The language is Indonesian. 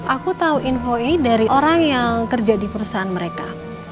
aku tahu info ini dari orang yang kerja di perusahaan mereka